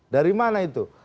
dari mana itu